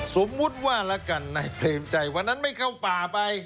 สมมุติว่าละกันในเวลาใจวันนั้นไม่เข้าป่าไป